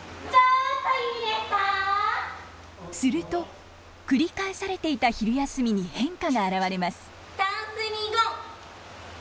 すると繰り返されていた昼休みに変化が表れます。